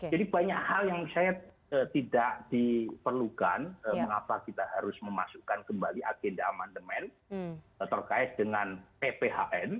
jadi banyak hal yang saya tidak diperlukan mengapa kita harus memasukkan kembali agenda amandemen terkait dengan pphn